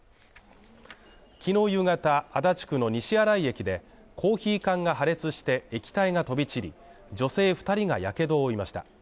昨日夕方、足立区の西新井駅で、コーヒー缶が破裂して、液体が飛び散り女性２人がやけどを負いました。